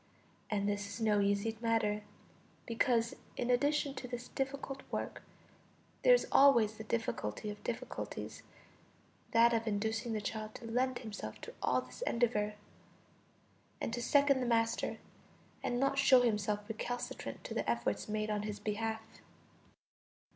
And this is no easy matter, because, in addition to this difficult work, there is always the difficulty of difficulties, that of inducing the child to lend himself to all this endeavor, and to second the master, and not show himself recalcitrant to the efforts made on his behalf.